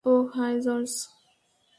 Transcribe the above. Oh, hi George!